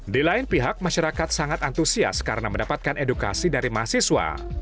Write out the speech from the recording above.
di lain pihak masyarakat sangat antusias karena mendapatkan edukasi dari mahasiswa